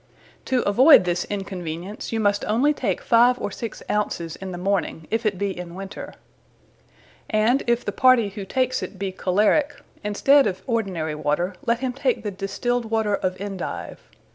To avoid this inconvenience; you must onely take five or six ounces, in the morning, if it be in winter; and if the party who takes it, be Cholerick, in stead of ordinary water, let him take the distilled water of Endive.